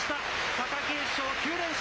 貴景勝、９連勝。